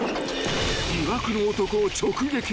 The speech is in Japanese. ［疑惑の男を直撃］